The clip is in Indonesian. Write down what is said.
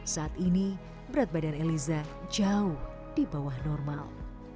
saat ini berat badan eliza jauh di bawah normal